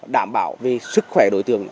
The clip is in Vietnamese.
đảm bảo về sức khỏe đối tượng